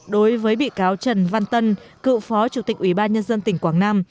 đối với bị cáo trần văn tân cựu phó chủ tịch ủy ban nhân dân tỉnh quảng nam